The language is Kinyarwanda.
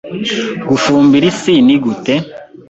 Gufumbira isi ni gute?